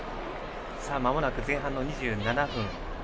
まもなく前半の２７分。